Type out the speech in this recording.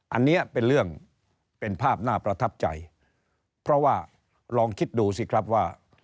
อันนี้เป็นเรื่องเป็นภาพน่าประทับใจเพราะว่าลองคิดดูสิครับว่า